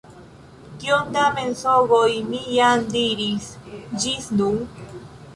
Kiom da mensogoj mi jam diris ĝis nun?